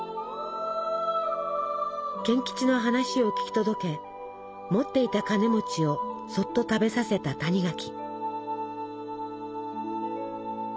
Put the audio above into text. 賢吉の話を聞き届け持っていたカネをそっと食べさせた谷垣。